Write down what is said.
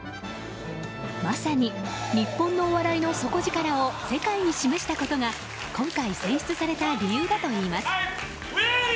まさに日本のお笑いの底力を世界に示したことが今回選出された理由だといいます。